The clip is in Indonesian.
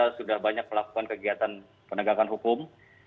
sudah banyak melakukan kegiatan penegakan hukum